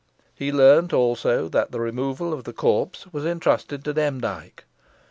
He learnt, also, that the removal of the corpse was intrusted to Demdike.